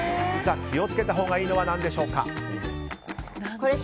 気を付けたほうがいいのは何でしょうか。